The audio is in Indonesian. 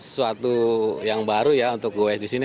suatu yang baru ya untuk gowes di sini